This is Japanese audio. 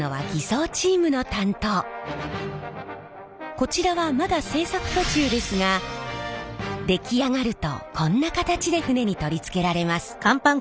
こちらはまだ製作途中ですが出来上がるとこんな形で船に取り付けられます。